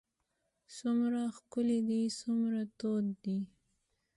څومره ښکلی دی څومره تود دی.